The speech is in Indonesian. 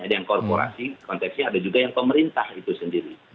ada yang korporasi konteksnya ada juga yang pemerintah itu sendiri